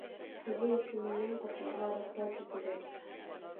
Һеҙҙе... исеменән ҡотларға рөхсәт итегеҙ.